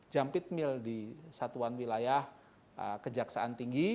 jampit mil di satuan wilayah kejaksaan tinggi